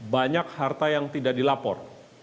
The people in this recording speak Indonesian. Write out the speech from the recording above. banyak harta yang tidak dilapor